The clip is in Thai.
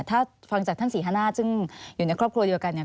ถ้าฟังจากท่านศรีฮนาศซึ่งอยู่ในครอบครัวเดียวกันเนี่ย